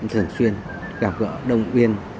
thường xuyên gặp gỡ đồng viên